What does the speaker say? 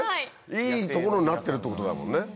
いい所になってるってことだもんね。